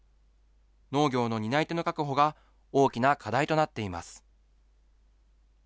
農業の担い手の確保が大きな課題となっています。